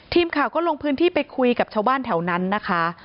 ทีมข่าวก็ลงพื้นที่ไปคุยกับชาวบ้านแถวนั้นนะคะ